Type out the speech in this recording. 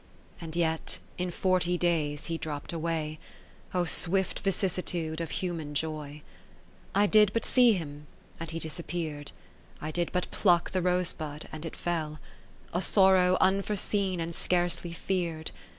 And yet in forty days he dropt away ; 0 swift vicissitude of human joy ! II 1 did but see him, and he dis appear'd, I did but pluck the rosebud and it fell ; A sorrow unforeseen and scarcely fear'd.